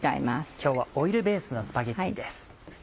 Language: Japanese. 今日はオイルベースのスパゲティです。